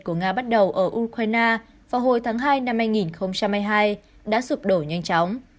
của nga bắt đầu ở ukraine vào hồi tháng hai năm hai nghìn hai mươi hai đã sụp đổ nhanh chóng